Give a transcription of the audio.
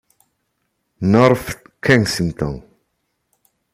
North Kensington